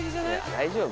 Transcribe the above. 大丈夫？